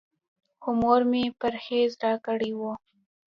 خو مور مې پرهېز راکړی و.